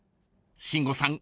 ［慎吾さん